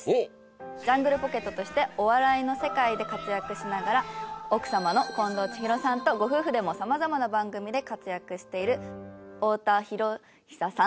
ジャングルポケットとしてお笑いの世界で活躍しながら奥様の近藤千尋さんとご夫婦でもさまざまな番組で活躍している。